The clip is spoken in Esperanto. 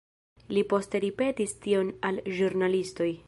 Li poste ripetis tion al ĵurnalistoj.